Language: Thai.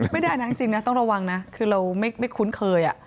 ไม่ได้นะจริงนะต้องระวังนะคือเราไม่คุ้นเคย